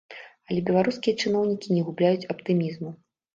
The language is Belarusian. Але беларускія чыноўнікі не губляюць аптымізму.